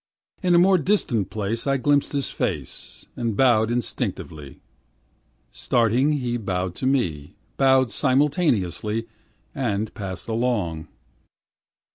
In a more distant place I glimpsed his face, And bowed instinctively; Starting he bowed to me, Bowed simultaneously, and passed along.